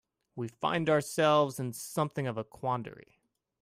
We find ourselves in something of a quandary.